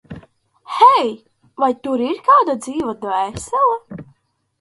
Hei, vai tur ir kāda dzīva dvēsele?